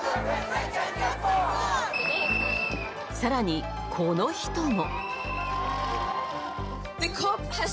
さらにこの人も。